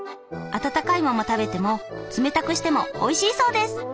温かいまま食べても冷たくしてもおいしいそうです。